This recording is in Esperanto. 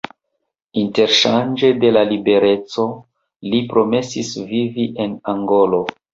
Interŝanĝe de la libereco, li promesis vivi en Angolo.